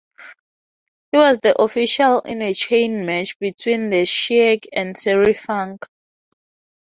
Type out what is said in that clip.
He was the official in a chain match between The Sheik and Terry Funk.